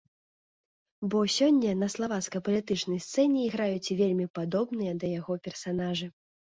Бо сёння на славацкай палітычнай сцэне іграюць вельмі падобныя да яго персанажы.